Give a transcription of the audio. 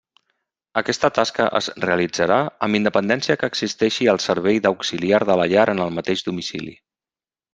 Aquesta tasca es realitzarà amb independència que existeixi el servei d'auxiliar de la llar en el mateix domicili.